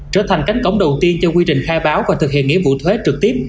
trở thành cánh cổng đầu tiên cho quy trình khai báo và thực hiện nghĩa vụ thuế trực tiếp